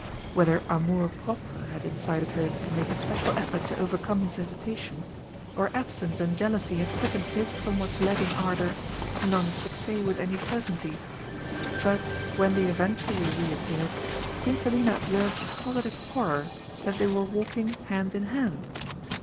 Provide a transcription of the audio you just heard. Whether amour propre had incited her to make a special effort to overcome his hesitation, or absence and jealousy had quickened his somewhat lagging ardour, none could say with any certainty, but when they eventually re appeared, Queen Selina observed with positive horror that they were walking hand in hand.